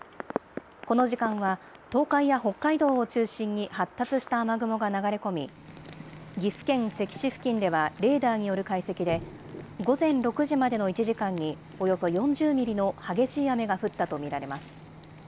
この時間は、東海や北海道を中心に発達した雨雲が流れ込み、岐阜県関市付近では、レーダーによる解析で、午前６時までの１時間に、およそ４０ミリの激しい雨が降ったと見られます。